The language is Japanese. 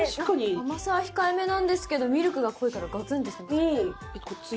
甘さは控えめなんですけどミルクが濃いからガツンってしてますよね。